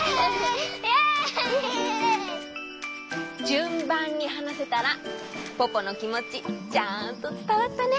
じゅんばんにはなせたらポポのきもちちゃんとつたわったね！